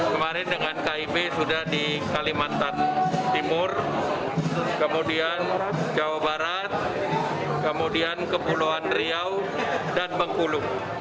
kemarin dengan kib sudah di kalimantan timur kemudian jawa barat kemudian kepulauan riau dan bengkulu